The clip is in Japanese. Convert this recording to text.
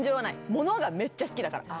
ものがめっちゃ好きだから。